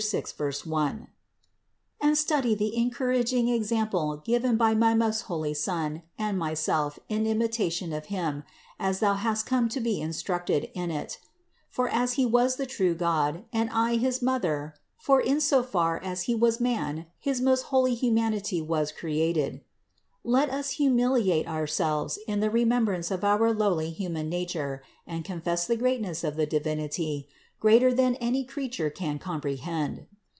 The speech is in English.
6, 1) ; and study the encourag ing example given by my most holy Son and myself in imitation of Him, as thou hast come to be instructed in it; for as He was the true God, and I his Mother (for in so far as He was man his most holy humanity was created), let us humiliate ourselves in the remem brance of our lowly human nature and confess the great ness of the Divinity, greater than any creature can com prehend.